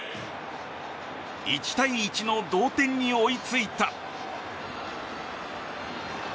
１対１の同点に追いついた。